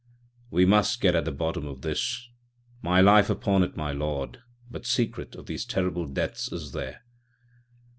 "We must get at the bottom of this. My life upon it, my lord, but the secret of these terrible deaths is there."